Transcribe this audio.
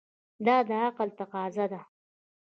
دا د عقل تقاضا ده.